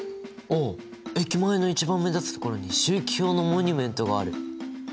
お駅前の一番目立つ所に周期表のモニュメントがある。